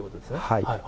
はい。